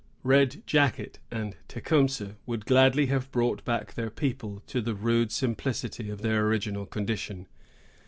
Red Jacket and Tecumseh would gladly have brought back their people to the rude simplicity of their original condition.